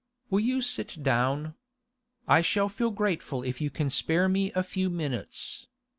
'Will you sit down? I shall feel grateful if you can spare me a few minutes.